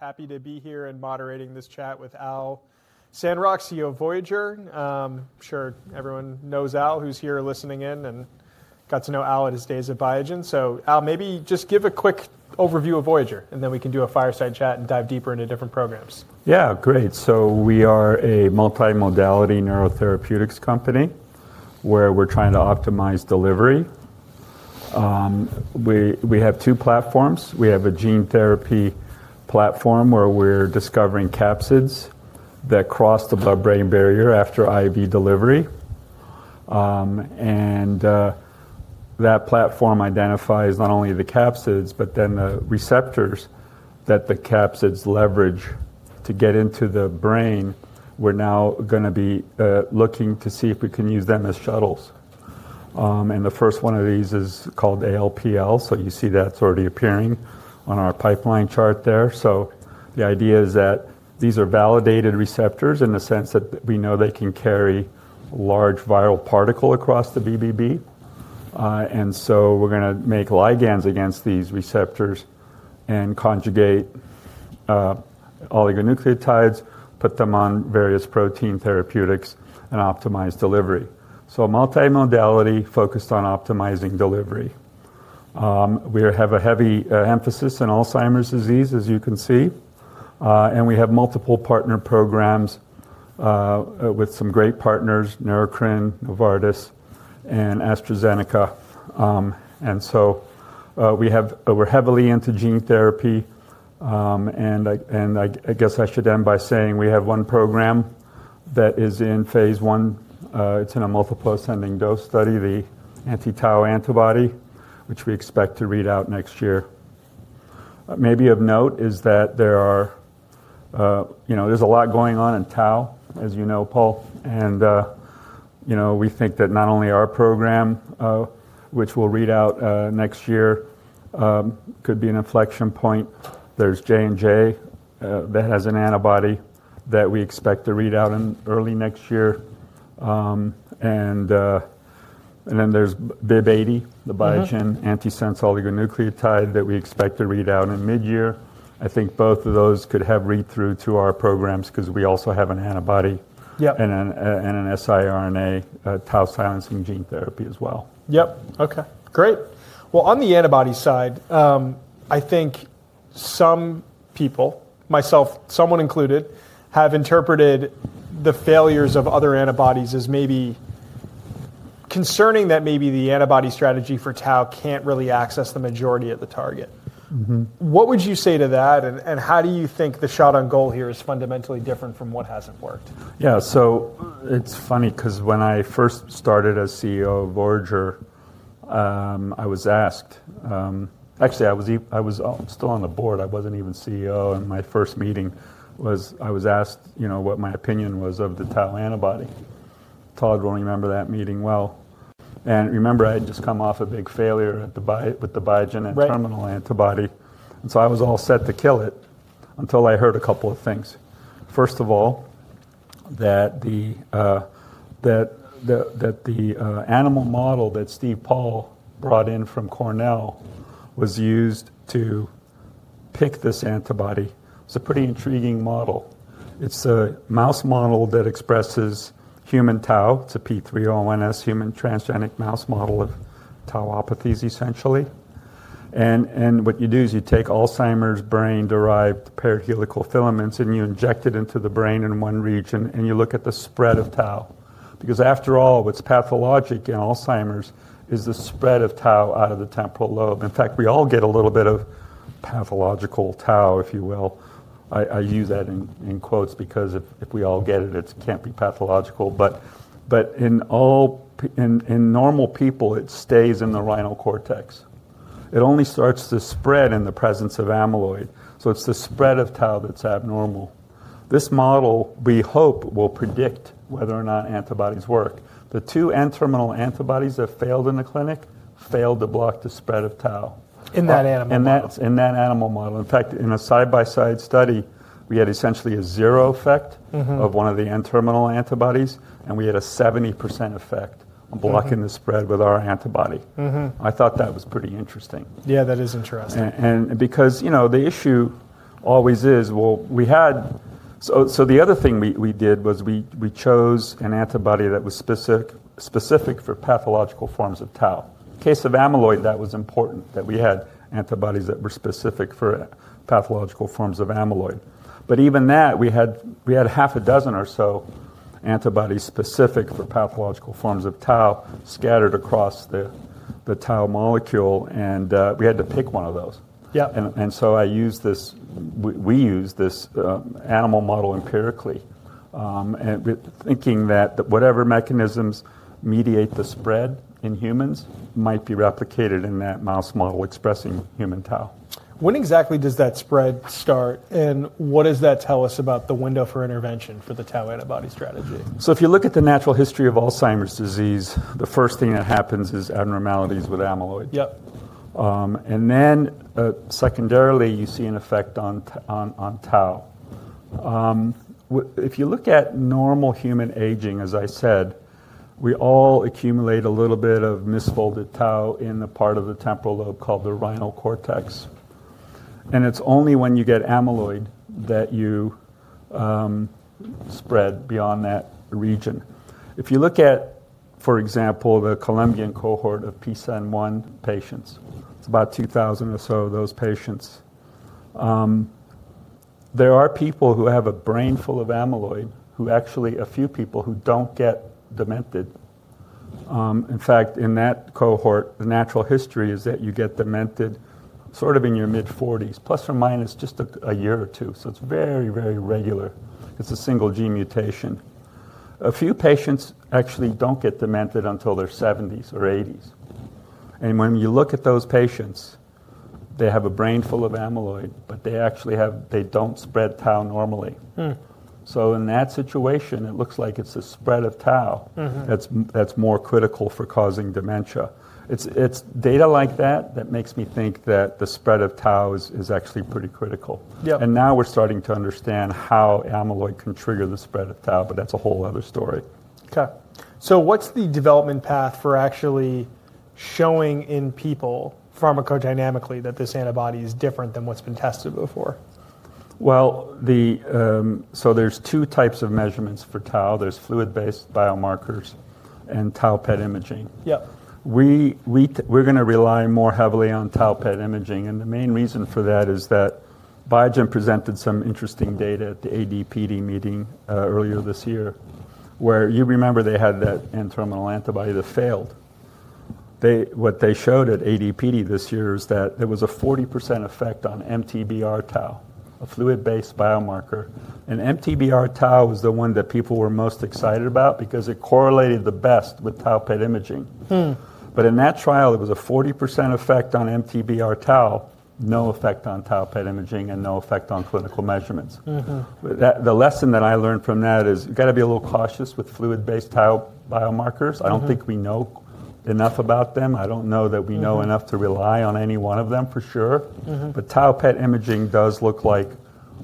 Happy to be here and moderating this chat with Al Sandrock, CEO of Voyager. I'm sure everyone knows Al, who's here listening in and got to know Al at his days at Biogen. So Al, maybe just give a quick overview of Voyager, and then we can do a fireside chat and dive deeper into different programs. Yeah, great. We are a multimodality neurotherapeutics company where we're trying to optimize delivery. We have two platforms. We have a gene therapy platform where we're discovering capsids that cross the blood-brain barrier after IV delivery. That platform identifies not only the capsids, but then the receptors that the capsids leverage to get into the brain. We're now going to be looking to see if we can use them as shuttles. The first one of these is called ALPL. You see that's already appearing on our pipeline chart there. The idea is that these are validated receptors in the sense that we know they can carry large viral particles across the BBB. We're going to make ligands against these receptors and conjugate oligonucleotides, put them on various protein therapeutics, and optimize delivery. Multimodality, focused on optimizing delivery. We have a heavy emphasis on Alzheimer's disease, as you can see. We have multiple partner programs with some great partners: Neurocrine, Novartis, and AstraZeneca. We are heavily into gene therapy. I guess I should end by saying we have one program that is in phase one. It's in a multiple ascending dose study, the anti-Tau antibody, which we expect to read out next year. Maybe of note is that there's a lot going on in Tau, as you know, Paul. We think that not only our program, which will read out next year, could be an inflection point. There's J&J that has an antibody that we expect to read out in early next year. Then there's BIIB080, the Biogen antisense oligonucleotide that we expect to read out in mid-year. I think both of those could have read-through to our programs because we also have an antibody and an siRNA TAU silencing gene therapy as well. Yep. Okay. Great. On the antibody side, I think some people, myself included, have interpreted the failures of other antibodies as maybe concerning that maybe the antibody strategy for Tau can't really access the majority of the target. What would you say to that? How do you think the shot on goal here is fundamentally different from what hasn't worked? Yeah. It's funny because when I first started as CEO of Voyager, I was asked actually, I was still on the board. I wasn't even CEO. My first meeting was I was asked what my opinion was of the Tau antibody. Todd will remember that meeting well. I had just come off a big failure with the Biogen terminal antibody. I was all set to kill it until I heard a couple of things. First of all, the animal model that Steve Paul brought in from Cornell was used to pick this antibody. It's a pretty intriguing model. It's a mouse model that expresses human Tau. It's a P3ONS, human transgenic mouse model of Tauopathies, essentially. What you do is you take Alzheimer's brain-derived paired helical filaments and you inject it into the brain in one region, and you look at the spread of Tau. After all, what's pathologic in Alzheimer's is the spread of TAU out of the temporal lobe. In fact, we all get a little bit of pathological Tau, if you will. I use that in quotes because if we all get it, it can't be pathological. In normal people, it stays in the rhinocortex. It only starts to spread in the presence of amyloid. It's the spread of Tau that's abnormal. This model, we hope, will predict whether or not antibodies work. The two N-terminal antibodies that failed in the clinic failed to block the spread of Tau. In that animal model. In that animal model. In fact, in a side-by-side study, we had essentially a zero effect of one of the N-terminal antibodies, and we had a 70% effect on blocking the spread with our antibody. I thought that was pretty interesting. Yeah, that is interesting. Because the issue always is, we had, so the other thing we did was we chose an antibody that was specific for pathological forms of Tau. In case of amyloid, that was important that we had antibodies that were specific for pathological forms of amyloid. Even that, we had half a dozen or so antibodies specific for pathological forms of Tau scattered across the Tau molecule. We had to pick one of those. We used this animal model empirically, thinking that whatever mechanisms mediate the spread in humans might be replicated in that mouse model expressing human Tau. When exactly does that spread start? What does that tell us about the window for intervention for the Tau antibody strategy? If you look at the natural history of Alzheimer's disease, the first thing that happens is abnormalities with amyloid. Then secondarily, you see an effect on Tau. If you look at normal human aging, as I said, we all accumulate a little bit of misfolded Tau in the part of the temporal lobe called the rhinocortex. It's only when you get amyloid that you spread beyond that region. If you look at, for example, the Colombian cohort of PSEN1 patients, it's about 2,000 or so of those patients. There are people who have a brain full of amyloid who actually, a few people who don't get demented. In fact, in that cohort, the natural history is that you get demented sort of in your mid-40s, plus or minus just a year or two. It's very, very regular. It's a single gene mutation. A few patients actually don't get demented until their 70s or 80s. When you look at those patients, they have a brain full of amyloid, but they don't spread Tau normally. In that situation, it looks like it's a spread of Tau that's more critical for causing dementia. It's data like that that makes me think that the spread of Tau is actually pretty critical. Now we're starting to understand how amyloid can trigger the spread of Tau, but that's a whole other story. Okay. What's the development path for actually showing in people pharmacodynamically that this antibody is different than what's been tested before? There are two types of measurements for Tau. There are fluid-based biomarkers and Tau PET imaging. We're going to rely more heavily on Tau PET imaging. The main reason for that is that Biogen presented some interesting data at the ADPD meeting earlier this year, where you remember they had that N-terminal antibody that failed. What they showed at ADPD this year is that there was a 40% effect on MTBR-Tau, a fluid-based biomarker. MTBR-Tau was the one that people were most excited about because it correlated the best with Tau PET imaging. In that trial, it was a 40% effect on MTBR-Tau, no effect on Tau PET imaging, and no effect on clinical measurements. The lesson that I learned from that is you've got to be a little cautious with fluid-based Tau biomarkers. I don't think we know enough about them. I don't know that we know enough to rely on any one of them for sure. Tau PET imaging does look like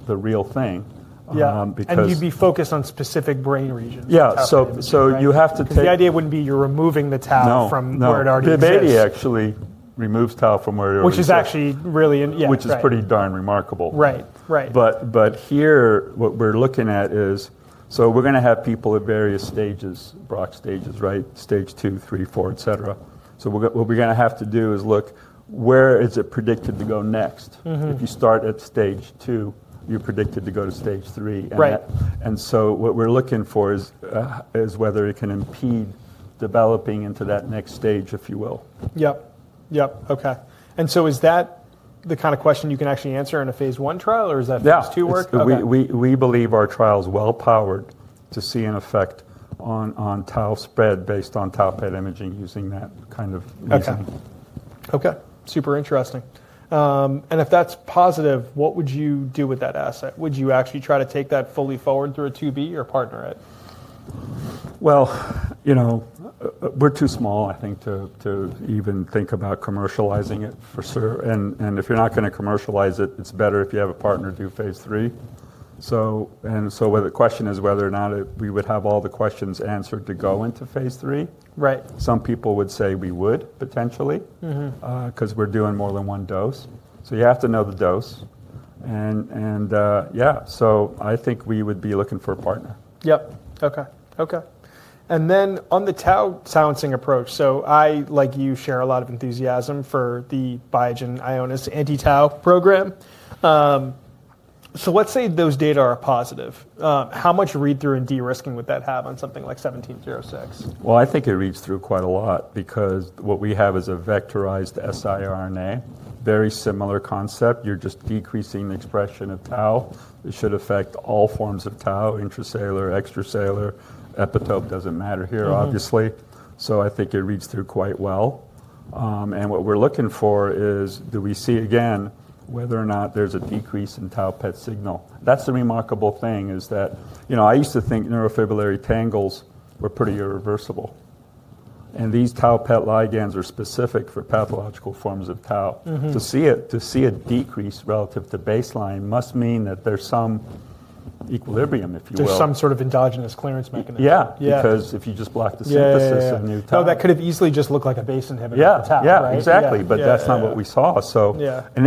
the real thing because. You'd be focused on specific brain regions. Yeah. You have to take. Because the idea wouldn't be you're removing the Tau from where it already exists. No. BIIB080 actually removes Tau from where it already exists. Which is actually really. Which is pretty darn remarkable. Right. Right. What we're looking at is, so we're going to have people at various stages, Braak stages, right? Stage I, III, IV, et cetera. What we're going to have to do is look where is it predicted to go next. If you start at stage II, you're predicted to go to stage III. What we're looking for is whether it can impede developing into that next stage, if you will. Yep. Yep. Okay. Is that the kind of question you can actually answer in a phase I trial, or is that phase II work? Yeah. We believe our trial is well-powered to see an effect on Tau spread based on Tau-PET imaging using that kind of exam. Okay. Okay. Super interesting. If that's positive, what would you do with that asset? Would you actually try to take that fully forward through a 2B or partner it? We're too small, I think, to even think about commercializing it for sure. If you're not going to commercialize it, it's better if you have a partner do Phase III. The question is whether or not we would have all the questions answered to go into Phase III. Some people would say we would, potentially, because we're doing more than one dose. You have to know the dose. Yeah, I think we would be looking for a partner. Yep. Okay. Okay. On the Tau silencing approach, I, like you, share a lot of enthusiasm for the Biogen Ionis anti-Tau program. Let's say those data are positive. How much read-through and de-risking would that have on something like 1706? I think it reads through quite a lot because what we have is a vectorized siRNA, very similar concept. You're just decreasing the expression of Tau. It should affect all forms of TAU, intracellular, extracellular. Epitope doesn't matter here, obviously. I think it reads through quite well. What we're looking for is do we see, again, whether or not there's a decrease in Tau PET signal. That's the remarkable thing is that I used to think neurofibrillary tangles were pretty irreversible. These Tau PET ligands are specific for pathological forms of Tau. To see a decrease relative to baseline must mean that there's some equilibrium, if you will. There's some sort of endogenous clearance mechanism. Yeah. Because if you just block the synthesis, then you've Tau. No, that could have easily just looked like a base inhibitor attack, right? Yeah. Exactly. That is not what we saw.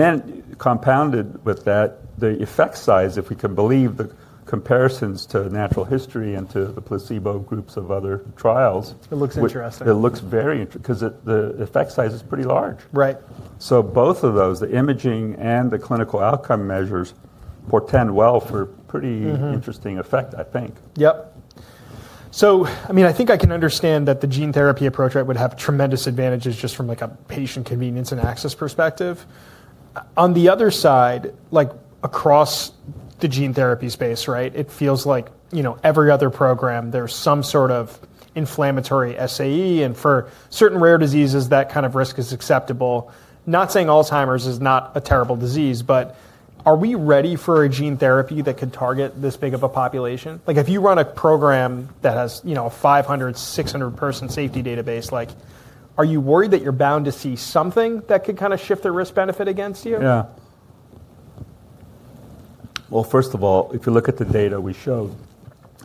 Then compounded with that, the effect size, if we can believe the comparisons to natural history and to the placebo groups of other trials. It looks interesting. It looks very interesting because the effect size is pretty large. Right. Both of those, the imaging and the clinical outcome measures, portend well for pretty interesting effect, I think. Yep. I mean, I think I can understand that the gene therapy approach would have tremendous advantages just from a patient convenience and access perspective. On the other side, across the gene therapy space, right, it feels like every other program, there's some sort of inflammatory SAE. For certain rare diseases, that kind of risk is acceptable. Not saying Alzheimer's is not a terrible disease, but are we ready for a gene therapy that could target this big of a population? If you run a program that has a 500-600 person safety database, are you worried that you're bound to see something that could kind of shift the risk-benefit against you? Yeah. First of all, if you look at the data we showed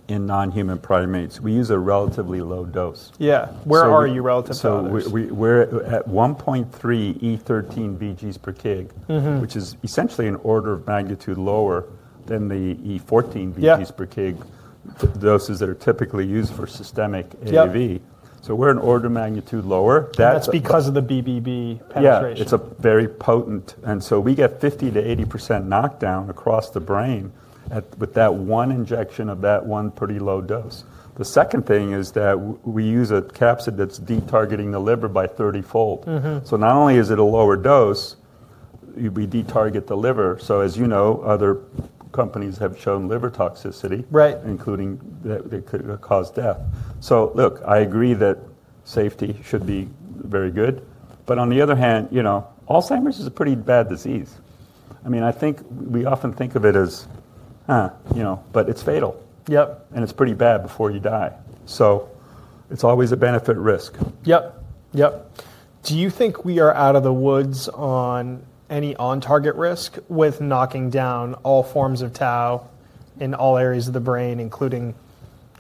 in non-human primates, we use a relatively low dose. Yeah. Where are you relatively low? We're at 1.3E13 vg/kg, which is essentially an order of magnitude lower than the E14 vg/kg doses that are typically used for systemic AAV. We're an order of magnitude lower. That's because of the BBB penetration. Yeah. It's very potent. And so we get 50%-80% knockdown across the brain with that one injection of that one pretty low dose. The second thing is that we use a capsid that's detargeting the liver by 30-fold. So not only is it a lower dose, we detarget the liver. As you know, other companies have shown liver toxicity, including that it could cause death. Look, I agree that safety should be very good. On the other hand, Alzheimer's is a pretty bad disease. I mean, I think we often think of it as, but it's fatal. And it's pretty bad before you die. It's always a benefit-risk. Yep. Yep. Do you think we are out of the woods on any on-target risk with knocking down all forms of Tau in all areas of the brain, including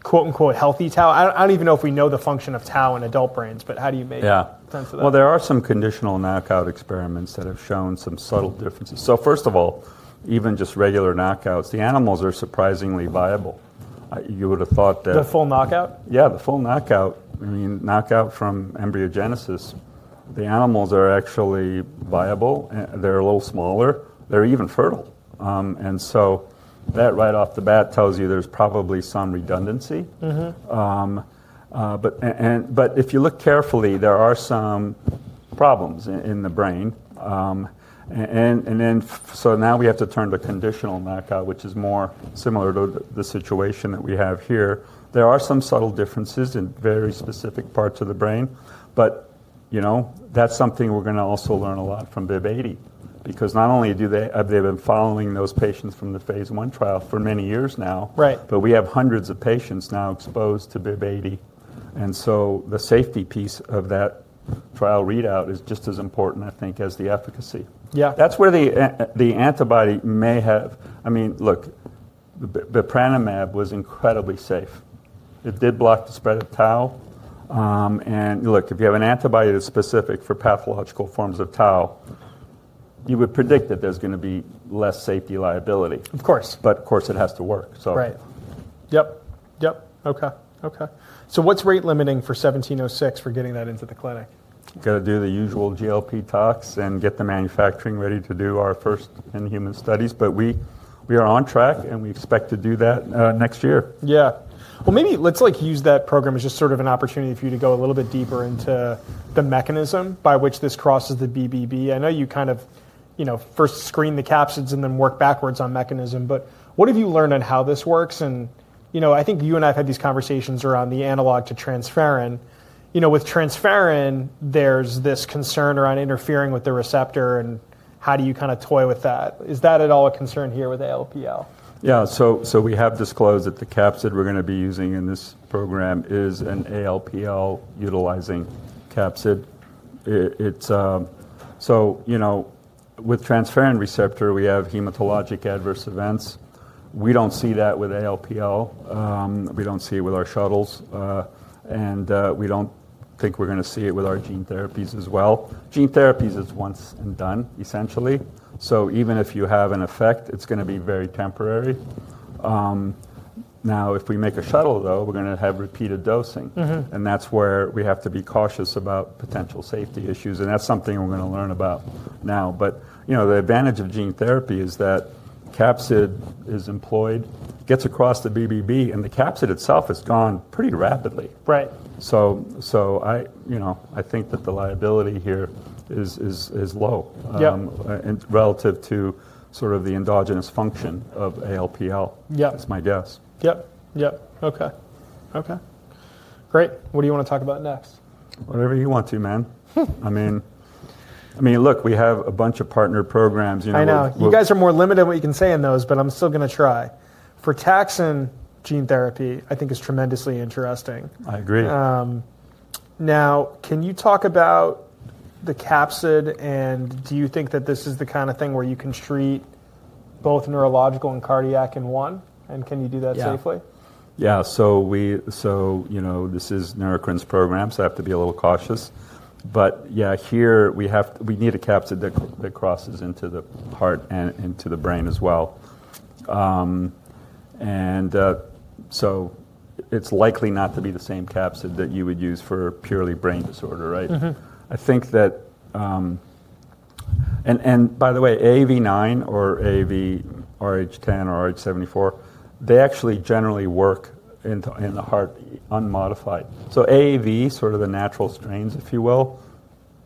"healthy Tau"? I don't even know if we know the function of Tau in adult brains, but how do you make sense of that? Yeah. There are some conditional knockout experiments that have shown some subtle differences. First of all, even just regular knockouts, the animals are surprisingly viable. You would have thought that. The full knockout? Yeah, the full knockout. I mean, knockout from embryogenesis, the animals are actually viable. They're a little smaller. They're even fertile. That right off the bat tells you there's probably some redundancy. If you look carefully, there are some problems in the brain. Now we have to turn to conditional knockout, which is more similar to the situation that we have here. There are some subtle differences in very specific parts of the brain. That's something we're going to also learn a lot from BIIB080 because not only have they been following those patients from the phase one trial for many years now, but we have hundreds of patients now exposed to BIIB080. The safety piece of that trial readout is just as important, I think, as the efficacy. That's where the antibody may have, I mean, look, bepranemab was incredibly safe. It did block the spread of Tau. Look, if you have an antibody that's specific for pathological forms of TAU, you would predict that there's going to be less safety liability. Of course. Of course, it has to work, so. Right. Yep. Yep. Okay. Okay. So what's rate limiting for 1706 for getting that into the clinic? Got to do the usual GLP talks and get the manufacturing ready to do our first in-human studies. We are on track, and we expect to do that next year. Yeah. Maybe let's use that program as just sort of an opportunity for you to go a little bit deeper into the mechanism by which this crosses the BBB. I know you kind of first screen the capsids and then work backwards on mechanism. What have you learned on how this works? I think you and I have had these conversations around the analog to transferrin. With transferrin, there's this concern around interfering with the receptor, and how do you kind of toy with that? Is that at all a concern here with ALPL? Yeah. We have disclosed that the capsid we're going to be using in this program is an ALPL utilizing capsid. With transferrin receptor, we have hematologic adverse events. We do not see that with ALPL. We do not see it with our shuttles. We do not think we're going to see it with our gene therapies as well. Gene therapies is once and done, essentially. Even if you have an effect, it's going to be very temporary. If we make a shuttle, though, we're going to have repeated dosing. That is where we have to be cautious about potential safety issues. That is something we're going to learn about now. The advantage of gene therapy is that capsid is employed, gets across the BBB, and the capsid itself is gone pretty rapidly. I think that the liability here is low relative to sort of the endogenous function of ALPL, is my guess. Yep. Okay. Great. What do you want to talk about next? Whatever you want to, man. I mean, look, we have a bunch of partner programs. I know. You guys are more limited in what you can say in those, but I'm still going to try. For frataxin gene therapy, I think is tremendously interesting. I agree. Now, can you talk about the capsid, and do you think that this is the kind of thing where you can treat both neurological and cardiac in one? Can you do that safely? Yeah. This is Neurocrine's program, so I have to be a little cautious. Yeah, here we need a capsid that crosses into the heart and into the brain as well. It is likely not to be the same capsid that you would use for a purely brain disorder, right? I think that, and by the way, AAV9 or AAV RH10 or RH74, they actually generally work in the heart unmodified. AAV, sort of the natural strains, if you will,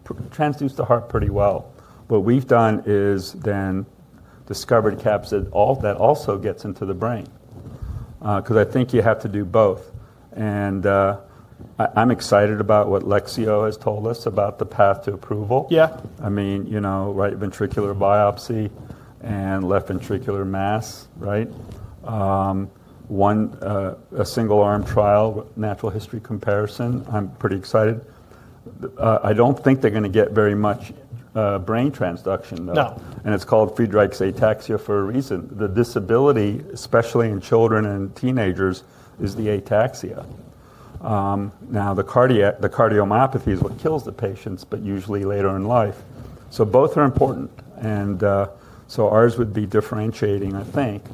transduce the heart pretty well. What we have done is then discovered a capsid that also gets into the brain because I think you have to do both. I am excited about what Lexeo has told us about the path to approval. I mean, right ventricular biopsy and left ventricular mass, right? One single-arm trial, natural history comparison. I am pretty excited. I don't think they're going to get very much brain transduction, though. It is called Friedreich's ataxia for a reason. The disability, especially in children and teenagers, is the ataxia. The cardiomyopathy is what kills the patients, but usually later in life. Both are important. Ours would be differentiating, I think,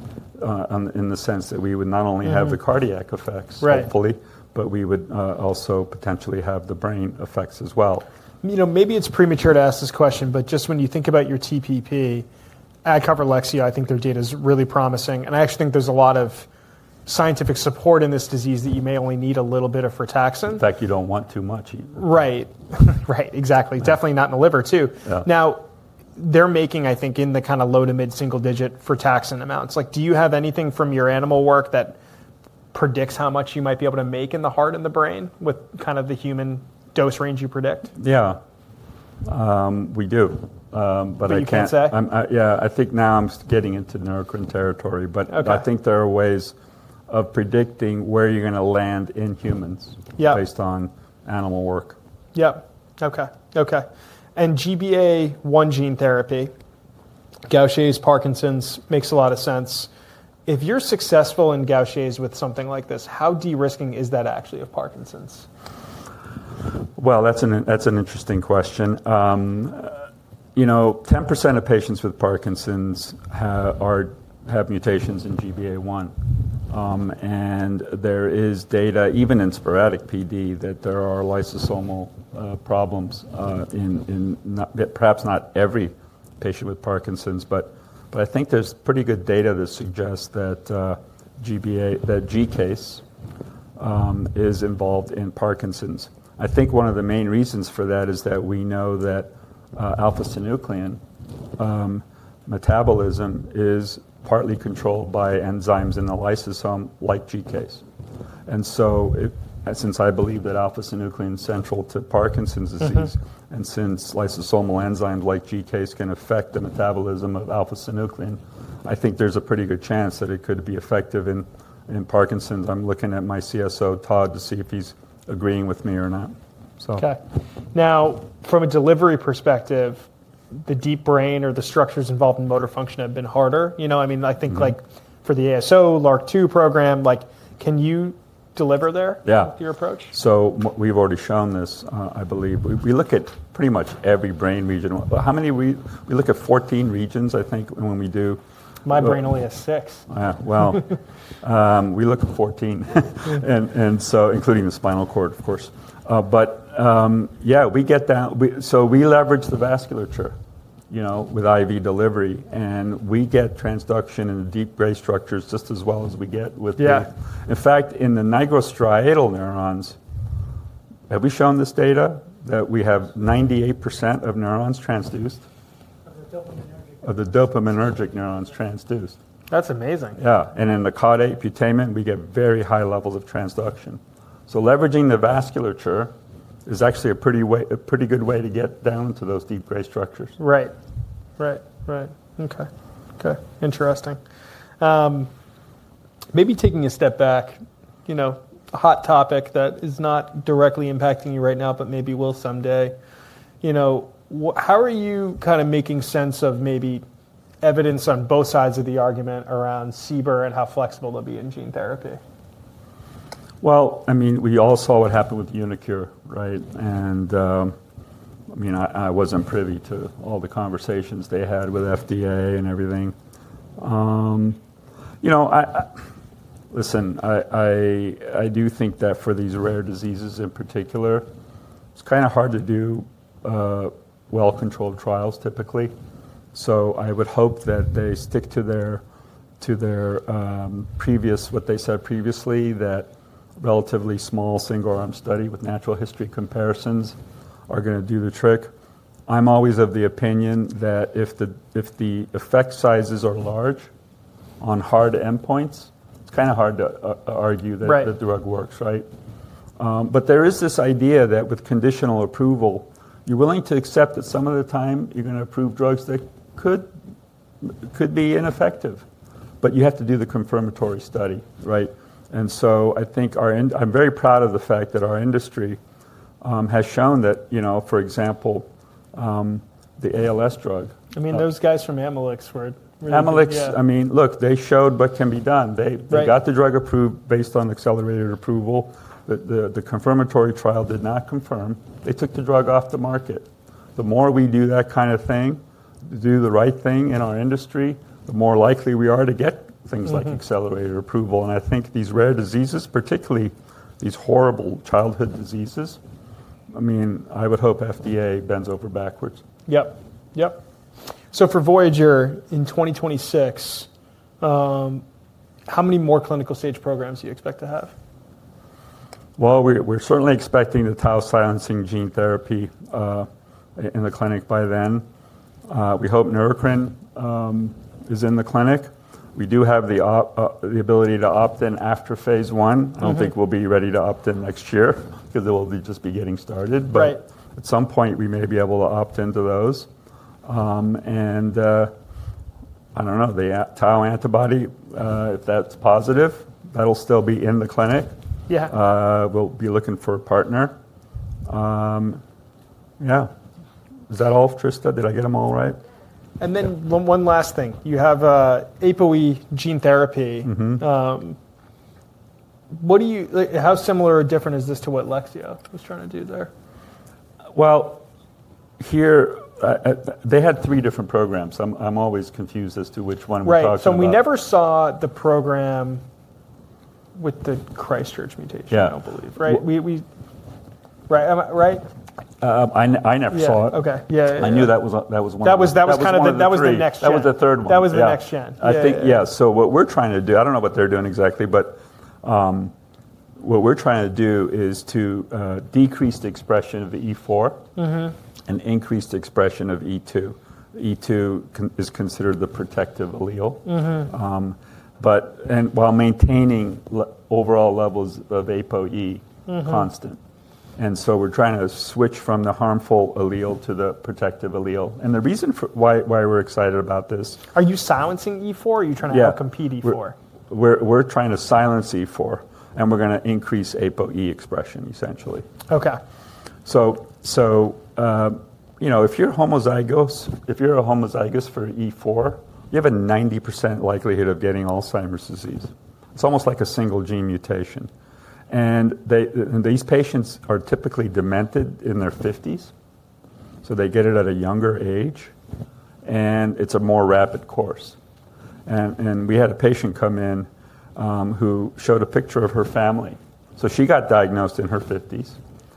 in the sense that we would not only have the cardiac effects, hopefully, but we would also potentially have the brain effects as well. Maybe it's premature to ask this question, but just when you think about your TPP, I cover Lexeo. I think their data is really promising. And I actually think there's a lot of scientific support in this disease that you may only need a little bit of frataxin. In fact, you don't want too much either. Right. Right. Exactly. Definitely not in the liver, too. Now, they're making, I think, in the kind of low to mid-single-digit frataxin amounts. Do you have anything from your animal work that predicts how much you might be able to make in the heart and the brain with kind of the human dose range you predict? Yeah. We do. I can't. You can say? Yeah. I think now I'm getting into Neurocrine territory, but I think there are ways of predicting where you're going to land in humans based on animal work. Yep. Okay. Okay. And GBA1 gene therapy, Gaucher's, Parkinson's, makes a lot of sense. If you're successful in Gaucher's with something like this, how de-risking is that actually of Parkinson's? That's an interesting question. 10% of patients with Parkinson's have mutations in GBA1. There is data, even in sporadic PD, that there are lysosomal problems in perhaps not every patient with Parkinson's. I think there's pretty good data that suggests that GCase is involved in Parkinson's. I think one of the main reasons for that is that we know that alpha-synuclein metabolism is partly controlled by enzymes in the lysosome like GCase. Since I believe that alpha-synuclein is central to Parkinson's disease, and since lysosomal enzymes like GCase can affect the metabolism of alpha-synuclein, I think there's a pretty good chance that it could be effective in Parkinson's. I'm looking at my CSO, Todd, to see if he's agreeing with me or not. Okay. Now, from a delivery perspective, the deep brain or the structures involved in motor function have been harder. I mean, I think for the ASO, LARC2 program, can you deliver there with your approach? Yeah. We've already shown this, I believe. We look at pretty much every brain region. How many? We look at 14 regions, I think, when we do. My brain only has six. We look at 14, including the spinal cord, of course. Yeah, we get that. We leverage the vasculature with IV delivery. We get transduction in the deep gray structures just as well as we get with the, in fact, in the nigrostriatal neurons. Have we shown this data that we have 98% of neurons transduced? Of the dopaminergic. Of the dopaminergic neurons transduced. That's amazing. Yeah. In the caudate putamen, we get very high levels of transduction. Leveraging the vasculature is actually a pretty good way to get down to those deep gray structures. Right. Okay. Interesting. Maybe taking a step back, a hot topic that is not directly impacting you right now, but maybe will someday. How are you kind of making sense of maybe evidence on both sides of the argument around SIBR and how flexible they'll be in gene therapy? I mean, we all saw what happened with UniQure, right? I mean, I was not privy to all the conversations they had with FDA and everything. Listen, I do think that for these rare diseases in particular, it is kind of hard to do well-controlled trials, typically. I would hope that they stick to what they said previously, that relatively small single-arm study with natural history comparisons are going to do the trick. I am always of the opinion that if the effect sizes are large on hard endpoints, it is kind of hard to argue that the drug works, right? There is this idea that with conditional approval, you are willing to accept that some of the time you are going to approve drugs that could be ineffective. You have to do the confirmatory study, right? I think our I'm very proud of the fact that our industry has shown that, for example, the ALS drug. I mean, those guys from Amylyx were. Amylyx, I mean, look, they showed what can be done. They got the drug approved based on accelerated approval. The confirmatory trial did not confirm. They took the drug off the market. The more we do that kind of thing, do the right thing in our industry, the more likely we are to get things like accelerated approval. I think these rare diseases, particularly these horrible childhood diseases, I mean, I would hope FDA bends over backwards. Yep. Yep. For Voyager in 2026, how many more clinical stage programs do you expect to have? We're certainly expecting the Tau silencing gene therapy in the clinic by then. We hope NeuroQuince is in the clinic. We do have the ability to opt in after phase one. I don't think we'll be ready to opt in next year because it will just be getting started. At some point, we may be able to opt into those. I don't know, the Tau antibody, if that's positive, that'll still be in the clinic. We'll be looking for a partner. Yeah. Is that all, Trista? Did I get them all right? One last thing. You have APOE gene therapy. How similar or different is this to what Lexeo was trying to do there? They had three different programs. I'm always confused as to which one we're talking about. Right. We never saw the program with the Christchurch mutation, I don't believe, right? I never saw it. Yeah. Okay. Yeah. I knew that was one of the. That was kind of the next-gen. That was the third one. That was the next gen. Yeah. I think, yeah. What we're trying to do, I don't know what they're doing exactly, but what we're trying to do is to decrease the expression of E4 and increase the expression of E2. E2 is considered the protective allele, but while maintaining overall levels of APOE constant. We're trying to switch from the harmful allele to the protective allele. The reason why we're excited about this. Are you silencing E4? Are you trying to help compete E4? We're trying to silence E4, and we're going to increase APOE expression, essentially. Okay. If you're homozygous for E4, you have a 90% likelihood of getting Alzheimer's disease. It's almost like a single gene mutation. These patients are typically demented in their 50s. They get it at a younger age, and it's a more rapid course. We had a patient come in who showed a picture of her family. She got diagnosed in her 50s.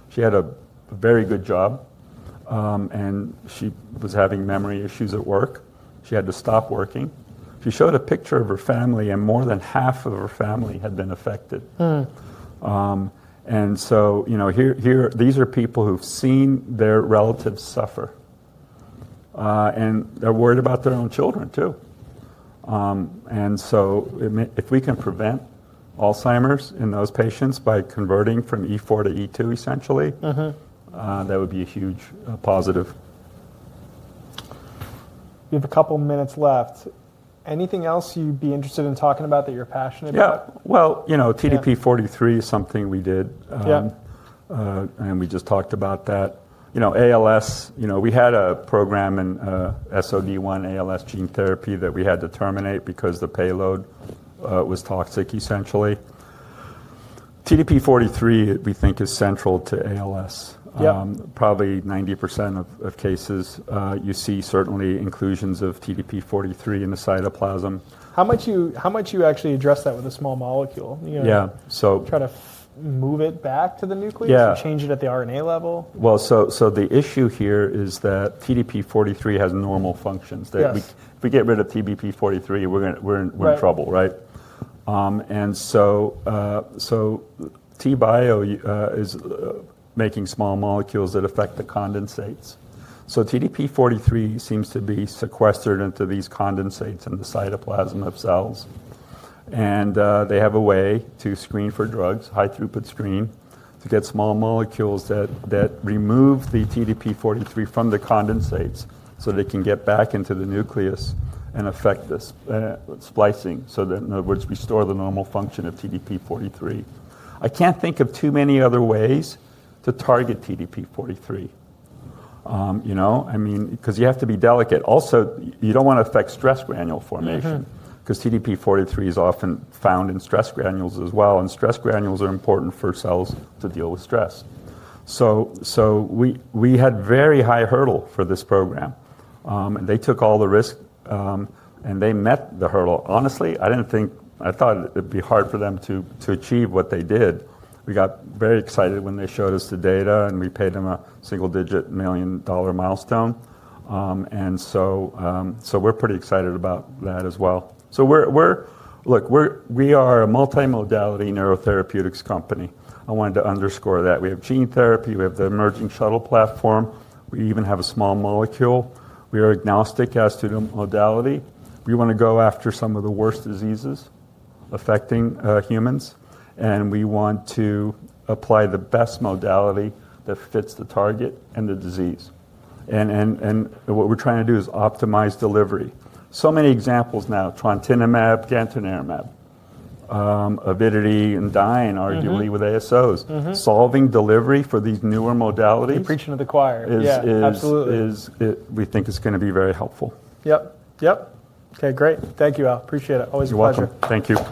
She had a very good job, and she was having memory issues at work. She had to stop working. She showed a picture of her family, and more than half of her family had been affected. These are people who've seen their relatives suffer, and they're worried about their own children, too. If we can prevent Alzheimer's in those patients by converting from E4 to E2, essentially, that would be a huge positive. We have a couple of minutes left. Anything else you'd be interested in talking about that you're passionate about? Yeah. TDP-43 is something we did, and we just talked about that. ALS, we had a program in SOD1 ALS gene therapy that we had to terminate because the payload was toxic, essentially. TDP-43, we think, is central to ALS. Probably 90% of cases, you see certainly inclusions of TDP-43 in the cytoplasm. How much you actually address that with a small molecule? Yeah. So. Try to move it back to the nucleus and change it at the RNA level? The issue here is that TDP-43 has normal functions. If we get rid of TDP-43, we're in trouble, right? TBIO is making small molecules that affect the condensates. TDP-43 seems to be sequestered into these condensates in the cytoplasm of cells. They have a way to screen for drugs, high-throughput screen, to get small molecules that remove the TDP-43 from the condensates so they can get back into the nucleus and affect the splicing. In other words, restore the normal function of TDP-43. I can't think of too many other ways to target TDP-43, I mean, because you have to be delicate. Also, you don't want to affect stress granule formation because TDP-43 is often found in stress granules as well. Stress granules are important for cells to deal with stress. We had a very high hurdle for this program. They took all the risk, and they met the hurdle. Honestly, I thought it'd be hard for them to achieve what they did. We got very excited when they showed us the data, and we paid them a single-digit million-dollar milestone. We are pretty excited about that as well. Look, we are a multimodality neurotherapeutics company. I wanted to underscore that. We have gene therapy. We have the emerging shuttle platform. We even have a small molecule. We are agnostic as to the modality. We want to go after some of the worst diseases affecting humans. We want to apply the best modality that fits the target and the disease. What we're trying to do is optimize delivery. So many examples now, Trontinemab, gantenerumab, Avidity, and Dyne, arguably with ASOs. Solving delivery for these newer modalities. You're preaching to the choir. Yeah. Absolutely. We think it's going to be very helpful. Yep. Yep. Okay. Great. Thank you all. Appreciate it. Always a pleasure. You're welcome. Thank you.